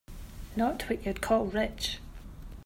Not what you'd call rich.